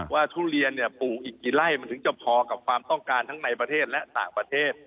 ทุเรียนปลูกอีกกี่ไร่มันถึงจะพอกับความต้องการทั้งในประเทศและต่างประเทศ